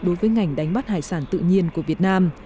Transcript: đối với ngành đánh bắt hải sản tự nhiên của việt nam